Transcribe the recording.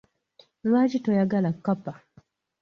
Lwaki toyagala kkapa?